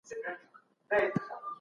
هر نوی اثر د ادب په ګاڼه سمبال کړئ.